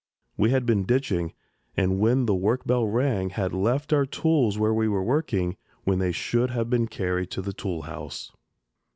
We had been ditching and when the work bell rang had left our tools where we were working, when they should have been carried to the toolhouse.